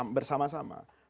maka yang pertama kali dipanggil